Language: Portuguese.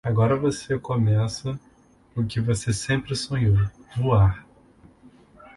Agora você começa o que você sempre sonhou: voar!